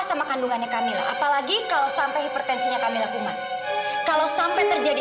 sama kandungannya kamilah apalagi kalau sampai hipertensinya kamilah kumat kalau sampai terjadi